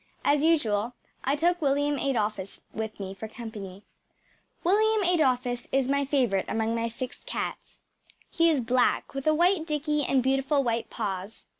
As usual, I took William Adolphus with me for company. William Adolphus is my favourite among my six cats. He is black, with a white dicky and beautiful white paws.